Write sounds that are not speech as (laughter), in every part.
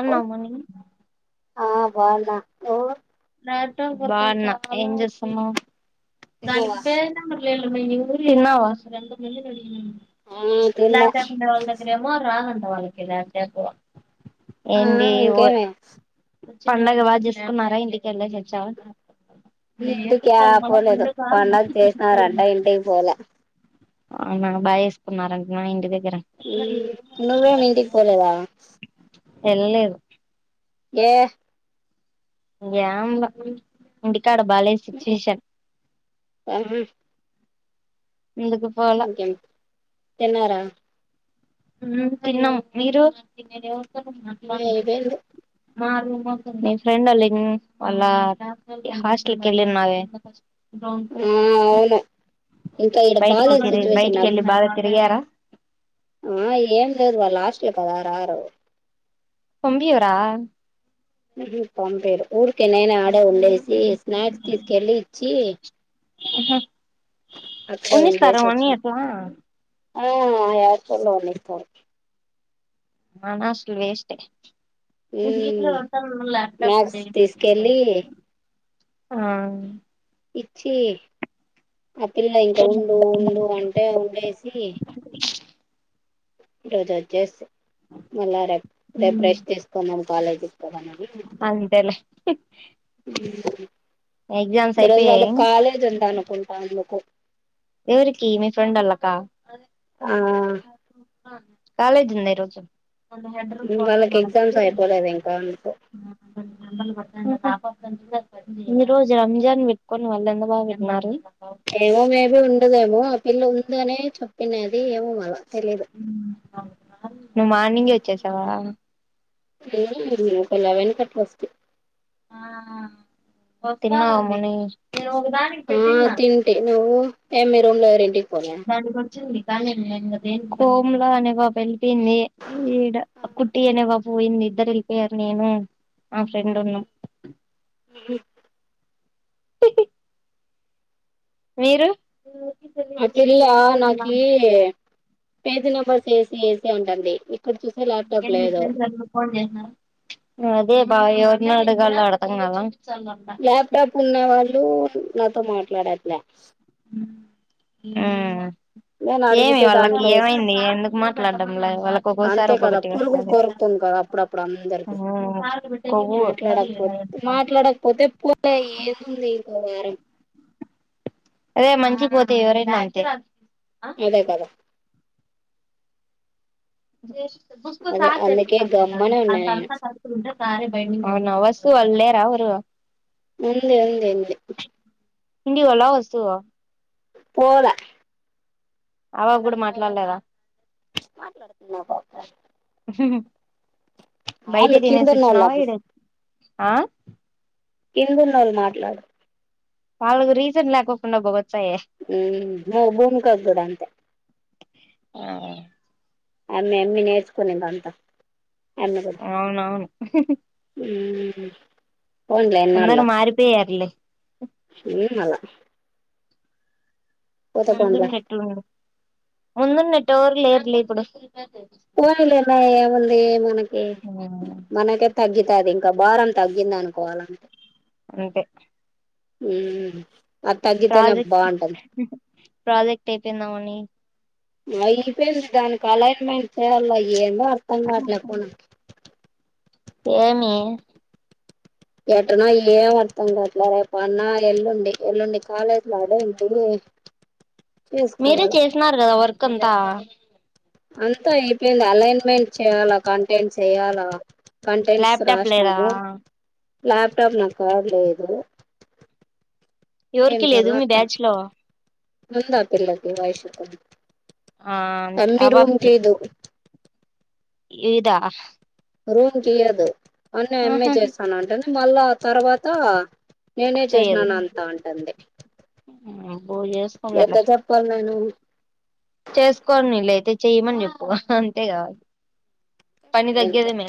అన్నముని ఆ బాన్నా నువ్వు బాన్నా ఏం చేస్తున్నావ్? తిన్నావా తిన్నావా? ఆ తిన్నా లాప్టాప్ ఉండేది వాళ్ల దగ్గరేమో రాదంట వాళ్ళకి లాప్టాపు ఆ ఏంది వద్ ఇంకేమి పండగ బాగా చసుకున్నారా, ఇంటికెల్లేసచ్చావా? ఈ ఇంటికా పోలేదు, పండగ చేసినారంట ఇంటికి పోల. అవును మేడం బా వేసుకున్నారంటన ఇంటి దగ్ ఉమ్ నువ్వేం ఇంటికి పోలేదా? ఎల్రలేదు ఏ ఏంల ఇంటికాడ బాలేద్ సిచ్యువేషన్ అవి ఎందుకు పోలా ఇంకేం తిన్నారా? ఉమ్ తిన్నం, మీరు? ఆ, అయిపోయింది నీ ఫ్రెండ్ లిం వాళ్లా హాస్టెల్కి కెల్లినావే ఆ అవును ఇంకా ఈడ బయటికి బాలేదు కెరీర్ బయటికి వెళ్ళి బాగా తిరిగి కార ఉమ్ ఏం లేదు వాళ్ళ హాస్టల్ కదా రారు. పంపీవరా మ్మ్ హు పంపీరు ఊరికే నేనే ఆడే ఉండేసి స్నాక్స్ తీసుకెళ్ళి ఇచ్చి ఉ హ్మ్ అక్కడే ఉన్నిస్తారా ఉండేసి అవన్నీ వచ్చిన అట్లా ఆ యాస్టల్లో ఉన్నిస్తారు మనా ఆస్టలు వేస్టే ఉమ్ (unintelligible) ల్యాప్టాప్ స్నాక్స్ ఉంటే తీసుకెళ్ళి (unintelligible) ఆ ఇచ్చి ఆ పిల్ల ఇంక ఉండు ఉండు అంటే ఉండేసి ఈరోజు వచ్చేసి మళ్ళా రేప్ రేపు రెస్ట్ తీసుకుందం కాలేజు అంతేలే ఎగ్జామ్స్ ఈ రోజు అయిపోయాయి వాళ్ళక్ కాలేజ్ ఉంది అనుకుంటా అందుకు ఎవరికి మీ ఫ్రెండ్ ఆళ్ళ కా ఆ కాలేజ్ ఉందా ఈ రోజు వాళ్ళకి ఎగ్జామ్స్ అయిపోలేదు ఇంకా అందుకు (unintelligible) (unintelligible) ఈ రోజు రంజాన్ పెట్టుకొని వాళ్ళు (unintelligible) ఏమో మేబీ ఉండదేమో ఆ పిల్ల ఉందని చెప్పినది ఏమో మళ్ళా నువ్వు మార్నింగే వచ్చేసావా (unintelligible) నా వెనక ట్రస్టు నేను ఒక దానికి ఆ పెట్టిన్నా తింటి నువ్వు ఏం మీ రూమ్ లో ఎవరేంటి (unintelligible) కోమల అనే పాప వెళ్ళిపోయింది ఈడ కుట్టి అనే బోయింది ఇద్దరు ఎల్పోయారు నేనే ఆ ఫ్రెండ్ను ఉన్నాం హ్మ్ మీరు ఆ పిల్ల నాకి పేజ్ నెంబర్స్ ఏసి ఏసి అంటన్ది అదే భావ్య మెడ్గాల అర్థంకాల ల్యాప్టాప్ ఉన్న వాళ్ళు నాతో మాట్లాడట్లా ఆ నేను ఏమి అడిగితే వాళ్ళకి దానికోస్ ఏమైంది ఎందుకు మాట్లాడడం వాళ్ళకి అంతే ఒక్కోసారి కదా ఒక్కొక్కటి పురుగు వస్తాది కొరుకుతుంది అప్పుడప్పుడు అందరికి కొవ్వు మాట్లాడకపోతే మాట్లాడకపోతే పోనియి (unintelligible) అదే మంచిదైతే ఎవరైనా అంతే అదే కదా అదే అందుకే గమ్మనే ఉన్నా నేను (unintelligible) నా వస్తు అడ్ లేరా ఎవరు (unintelligible) ఉండి ఎలా వస్తావో లోడ అవ్వా కూడా మాట్లాడలేదా మాట్లాడ్తంది బయటే వాళ్ళు కిందున్నోళ్ళు తినేసోచినవా ఈడే ఆ కిందున్నోళ్ళు మాట్లాడర్ వాళ్లకు రీసెన్ లేకోకుండా బోపోతుంది హ్మ్ ఈ భూమికి కూడ అంట ఆ అమ్మి అమ్మి నేర్చుకునిదంతా అవునవును ఉమ్ పోన్లే ఎన్న ఉళ్ళ అందరూ మారిపోయారులే మలా పోతే పోన్లే ముందున్నట్టుడు ముందున్నట్టు ఎవరు లేరు లే ఇప్పుడు పోయిలేన్నాముంది మనకి తగ్గి అది ఇంకా భారం తగ్గింది అనుకోవాలంటే అంతే ఉ ప్రాజెక్ట్ ప్రాజెక్ట్ అయిపోయిందాముని అయిపోయింది దానికి అలైన్మెంట్ చేయాలి ఏం అదే అర్థం కావట్లే పోనీ కి ఏమి ఎటనో ఏం అర్థం కావట్లే రేపు అన్న ఎల్లుండి, ఎల్లుండి కాలేజ్ లో ఆడేది మీరే చేసిన కదా వర్క్ అంతా అంతా అయిపోయింది అలైన్మెంట్ చెయ్యాలా కంటైంట్ చెయ్యాలా. కంటెంట్స్ ల్యాప్టాప్ లేదా రాసినాము ల్యాప్టాప్ నాకాడ లేదు ఎవరికి లేదు మీ బ్యాచ్ లో ముంద ఆ పిల్లకి వైషుకి ఆ అంతే. ఆ పాప కి చెప్పు ఇదా రూమ్ తీయదు అన్ని ఆమె ఆహా చేస్తాను అంటంది మళ్ళా తర్వాత నేనే చెయ్యదు చేసినాను అంతా అంటంది బో చేసుకుందిలే ఏట్లా చెప్పాలి నేను చేసుకోని వీళ్ళయితే చెయ్యమని చెప్పు. అంతే కావాలి పని ఇంత తగ్గేదే మ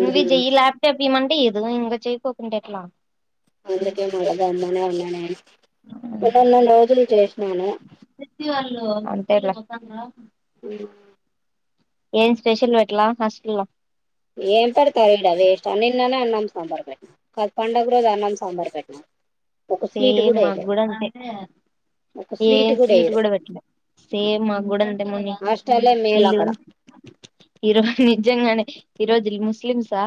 నువ్వు ఇది చెయ్యి ల్యాప్టాప్ ఇమంటే ఇతరులు. ఇంకా చేయకోకుండా ఎట్లా అందుకే మరి అన్ననే ఉన్నన్ని రోజులు చేసి ప్రతి వాళ్ళు అంతే లే ఇ ఏం స్పెషల్ అట్లా హాస్టల్ లో ఏం పెడతారు ఇడా వేస్ట్ అన్ని నిన్ననే అన్నం సాంబారు పెట్టినారు. కాదు పండుగ రోజు అన్నం సాంబార్ పెట్టినారు సేమ్ మాకు కూడా అంతే ఏం స్వీట్ కూడా పెట్టలే. సేమ్ మాకు కూడా అంటే ముని హాస్టలే మేలు ఇల్లు అక్కడ నిజంగా నే ఈరోజు ఇల్ ముస్లిమ్సా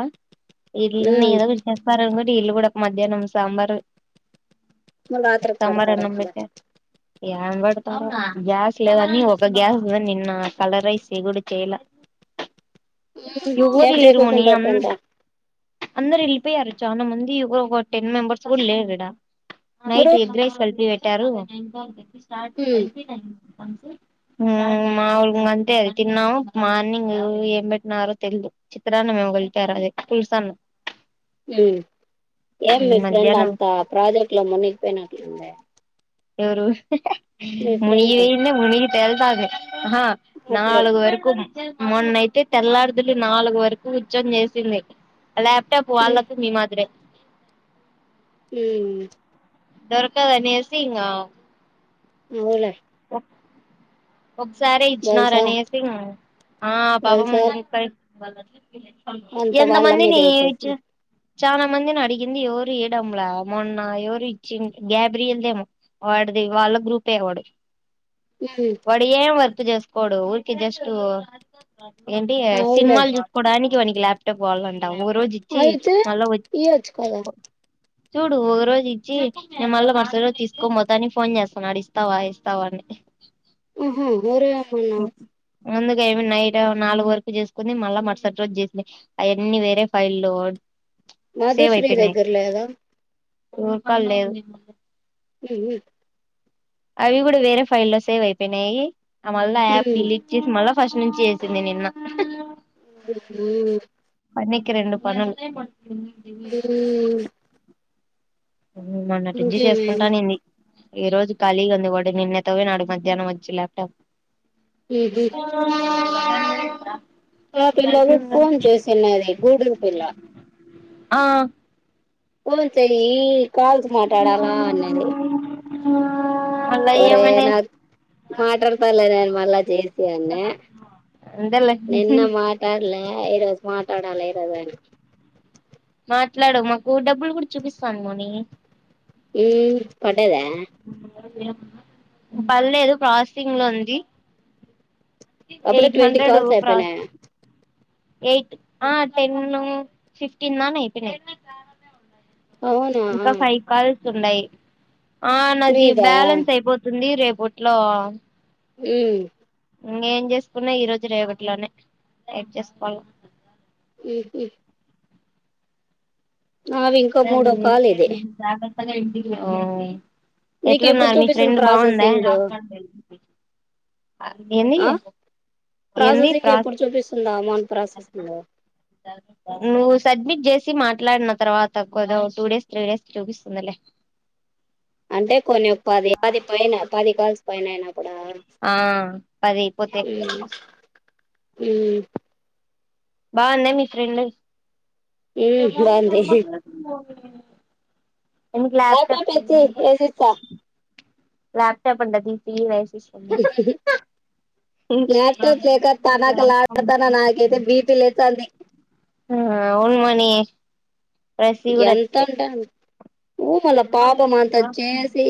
ఇళ్ళుని ఉమ్ ఏదో ఒకటి చేస్తారు అనుకుంటే ఇళ్ళు కూడా మధ్యాహ్నం సాంబార్ మళ్ళ రాత్రికి సాంబారు పెడతారు అన్నం మళ్ళ పెట్టారు. ఏం పెడతారో గ్యాస్ లేదని ఒక గ్యాస్ నిన్న కలర్ రైస్ డ చేయలే ఉమ్ ఎవరూ ఏం లేరు ముని చేయకోకుంటా అంత ఎట్టంట అందరు ఎళ్లిపోయారు. చానా మంది ఎవ ఒక టెన్ మెంబర్స్ కూడా లేరు ఇడ నైట్ ఎగ్ రైస్ కలిపి పెట్టారు. స్టార్ట్ హ్మ్. అయిపోయినాయి కూడా. మాములు అంతే అది తిన్నాము మార్నింగ్ ఏం పెట్టినారో తెలిదు చిత్ర అన్నం ఏమో కలిపారు అదే పులుసువన్నం అన్నం. ఏం మీ ఫ్రెండ్ మధ్యాహ్నం అంతా ప్రాజెక్ట్ లో మునిగిపోయినట్లుందే ఎవరు మీ మునిగి ఫ్రెండ్ ఇన్నె మునిగితేళ్తాది. ఆ అదే. నాలుగు వరకు మొన్నయితే తెల్లార్దులు నాలుగు వరకు ఉద్యం చేసింది ల్యాప్టాప్ హ్మ్. వాళ్లకు మీ మాదిరే ఉ దొరకదు అనేసి ఆవులే ఓ ఒకసారే బల్సా ఇచ్చినారనేసి ఆ భవం బల్సార్ (unintelligible) ఇవ్వాలని అంతా వాళ్ళ ఎంతమంది నీ మీదేసేసి. చ్చు చానా మందిని అడిగింది ఎవరు ఇవ్వడంలా మొన్న ఎవరు ఇచ్చి గ్యాబ్రీయల్దేమో వాడు ది వాళ్ళ గ్రూపే వాడు హ్మ్. వాడు ఏం వర్క్ చేసుకోడు ఊరికే జస్ట్ ఏంటి అవులే. సినిమాలు చూసుకోవడానికి వానికి ల్యాప్టాప్ కావళ్ళంట ట ఓ రోజ ఇచ్చి అయితే మళ్ళ వ ఇయ్యొచ్చు కదా! చూడు ఒక రోజు ఇచ్చి నే మళ్ళ మరుసటి రోజు తీసుకోన్పోతా ఫోన్ చేస్తున్నాడు ఇస్తావా, ఇస్తావా. ఇస్తావా అని ఉహు ఊరే ఏమన్నా ముందుగా అమ్మి నైట్ నాలుగు వరకు చేసుకుంది మళ్ళా మరుసటి రోజు చేసి అవన్నీ వేరే ఫైల్ల్లో మాధుశ్రీ దగ్గర లేదా ఎవురికాడ లేదు ఉ ఉ అవి కూడా వేరే ఫైల్లో సేవ్ అయిపోయినాయి ఆ మళ్ళా యాప్ హ్మ్. డిలీట్ చేసి మళ్ళా ఫస్ట్ నుంచి చేసింది నిన్న ఉహు పనికి రెండు పనులు హ్మ్మ్ మన్నట్టుంచి చేసుకుంటానేనుంది ఈ రోజు కాలీగా ఉంది వాడు నిన్న ఎత్తకపోయినాడు మధ్యానం వచ్చి ల్యాప్టాప్ ఉహు అవు ఆ పిల్లకు ఫోన్ చేసినది గూడల్ పిల్ల ఆ ఫోన్ చెయ్యి కాల్స్ మాటాడలా అన్నది అ ఒరే నా మాటతాలే నేను మళ్ళా చేసి అన్న అంతేలే లే ఈ రోజు మాటాడాల ఈ రోజైన మాట్లాడు మాకు డబ్బులు కూడా చూపిస్తాంది మౌని ఉమ్ పడ్డాదా పాల్లేదు ప్రాసెసింగ్ లో ఉంది అప్పుడే ఎయిట్ ట్వంటీ హండ్రెడ్ కాల్స్ ప్రాస్ అయిపోయినాయ ఎయిట్ ఆ టెన్ను ఫిఫ్టీన్ దానా అయిపోయినాయ్ అవునా తుండయ్ ఆ నాకు మీదా బ్యాలెన్స్ అయిపోతుంది రేపూట్లో ఉమ్ ఇంకేం చేసుకున్నా ఈ రోజు రేవటిలోనే అయిపోజెస్కుల్లా ఉహు ఇంకో అవ్ మూడో కాల్ ఇది నీకు ఎప్పుడు ఎట్లున్నారు మీ చూపిస్తుంది ఫ్రెండ్ బాగుందా ప్రాసెసింగ్ ఆ ఏంది ఆ ఏంది ప్రాసెసింగ్ ప్రా ఎప్పుడు చూపిస్తుందా అమౌంట్ ప్రాసెసింగ్ నువ్ సడ్మిట్ చేసి మాట్లాడిన తర్వాత కొదో టూ డేస్ త్రీ డేస్ చూపిస్తుందిలే అంటే కొన్ని పది పది పైన పది కాల్స్ పైనయిన ఉడా ఆ పది అయిపోతే ఉమ్ ఉమ్ బాన్దా మీ ఫ్రెండు మ్మ్ బాగుంది (unintelligible) పేచ్చీ ఏసిస్తా లాప్టాప్ అంటా తీపి వేసిస్తుందంటా లాప్టాప్ లేక తనఖలాడతన నాకైతే బీపీ లేచంది ఆ ఉన్ మని రసి గూడా అంతే ఊ మలా పాపమాంతచ్చేసి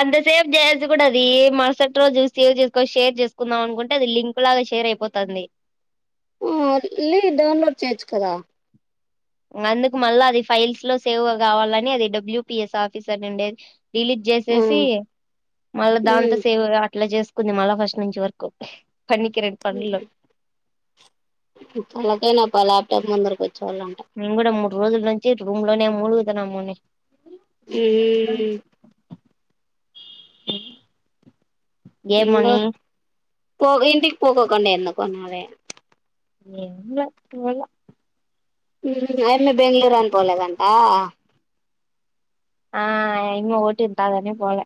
అంత సేప్ జేసి గూడా అది మరుసటి రోజు సేవ్ జేసుకు షేర్ చేసుకుందాం అనుకుంటే అది లింక్ లాగా షేర్ ర అయిపోతుంది ఆ ఇలీ డౌన్లోడ్ చేయొచ్చు కదా ఇంగ అందుకు మళ్ళా అది ఫైల్స్ లో సేవ్ కావాలని అది డబ్ల్యూపిఎస్ ఆఫీసర్ ఉండేది డిలీట్ ఆ, జేసేసి మళ్ళా ఉమ్. దాంతో సేవ్ అట్లా చేస్ కొంచెం అళ్ళ ఫస్ట్ నుంచి వరకు పనికి రెండు పన్లు తలకాయనొప్ప ఆల్యాప్టాప్ ముందర కుచ్చోళ్ళంటే మేము కూడా మూడు రోజుల నుంచి రూమ్ లోనే మూలుగుతున్నా మౌని ఈ ఏమొని పోక ఇంటికి పోకోకుండే ఎందుకొన్నాదే ఏ అయ మి బెంగళూరు అని పోలేదంట ఆ ఆయమ్మి ఊటిత్తాదని పోలే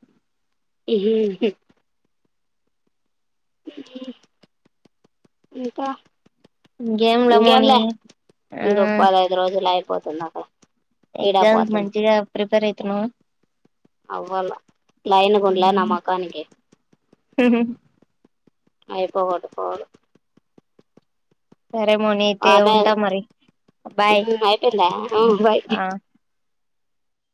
ఇహి ఇంకా గేమ్లమోని ఇంకేంలే ఆ ఇంగోపదైదు రోజులయిపోతుంది అక్కడ ఈడ ఎగ్జామ్స్ పోతుంది మంచిగా ప్రిపేర్ అయితున్నావా అవ్వాల లైన్ గుంలే నామకానికి ఉహూ అయిపోగొట్టుకోవాలి సరే మోని అయితే బానే ఉంటా మరి బాయ్ ఉ ఐపోయిందా బై ఆ